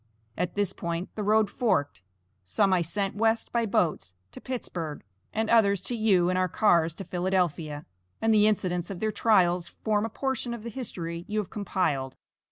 At this point the road forked; some I sent west by boats, to Pittsburgh, and others to you in our cars to Philadelphia, and the incidents of their trials form a portion of the history you have compiled.